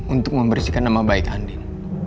untuk membersihkan nama baik andil